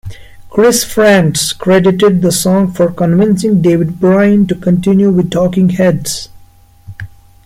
Chris Frantz credited the song for convincing David Byrne to continue with Talking Heads.